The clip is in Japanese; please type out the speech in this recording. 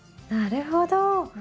なるほど。